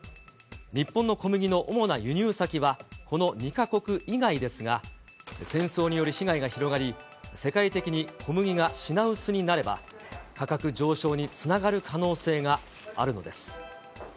日本の小麦の主な輸入先は、この２か国以外ですが、戦争による被害が広がり、世界的に小麦が品薄になれば、価格上昇につながる可能性があるのです。